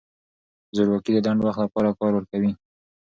زورواکي د لنډ وخت لپاره کار ورکوي.